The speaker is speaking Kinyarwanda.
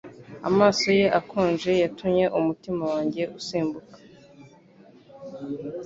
Amaso ye akonje yatumye umutima wanjye usimbuka.